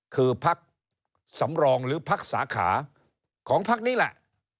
คือพักสำรองหรือพักสาขาของพักนี้แหละ